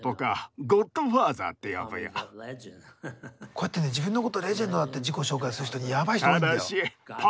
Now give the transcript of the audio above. こうやってね自分のことレジェンドだって自己紹介する人にやばい人多いんだよ。